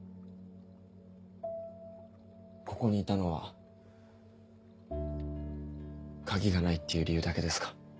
ここにいたのは鍵がないっていう理由だけですか？